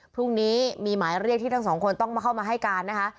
พรุ่งนี้มีหมายเรียกที่ทั้งสองคนต้องเข้ามาให้การนะคะ